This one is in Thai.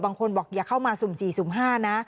บางคนบอกอย่าเข้ามาสุ่ม๔สุ่ม๕นะ